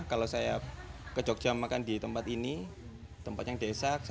kalau saya ke jogja makan di tempat ini tempat yang desa